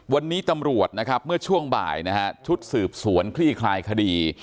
วันนี้ตำรวจนะครับเมื่อช่วงบ่ายนะฮะชุดสืบสวนคลี่คลายคดี